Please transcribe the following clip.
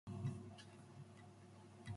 None of it is covered by water.